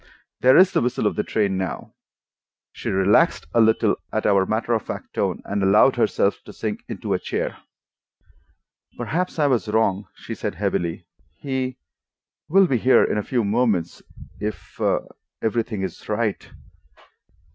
There is the whistle of the train now." She relaxed a little at our matter of fact tone, and allowed herself to sink into a chair. "Perhaps I was wrong," she said heavily. "He—will be here in a few moments if—everything is right."